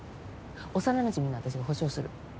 幼なじみの私が保証する。